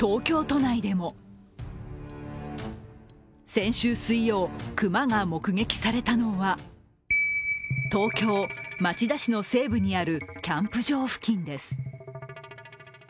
先週水曜、熊が目撃されたのは東京・町田市の西部にあるキャンプ場付近です。